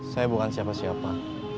saya bukan siapa siapa